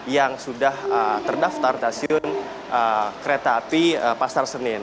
yang sudah terdaftar di asyun kereta api pasar senin